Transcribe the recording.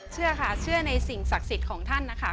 เชื่อค่ะเชื่อในสิ่งศักดิ์สิทธิ์ของท่านนะคะ